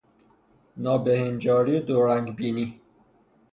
نابهنجاری دورنگ بینی